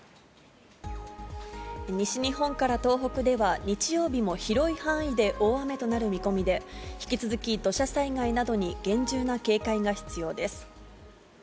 西日本から東北では、日曜日も広い範囲で大雨となる見込みで、引き続き土砂災害などに厳重な警戒が必要です。